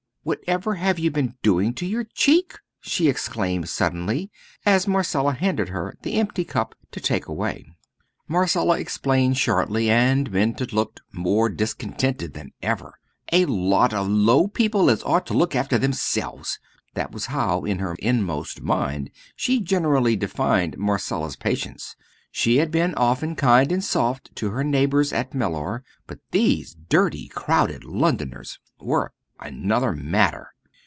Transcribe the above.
"Whatever have you been doing to your cheek?" she exclaimed, suddenly, as Marcella handed her the empty cup to take away. Marcella explained shortly, and Minta looked more discontented than ever. "A lot of low people as ought to look after themselves," that was how in her inmost mind she generally defined Marcella's patients. She had been often kind and soft to her neighbours at Mellor, but these dirty, crowded Londoners were another matter.